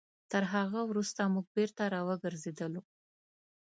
تر هغه وروسته موږ بېرته راوګرځېدلو.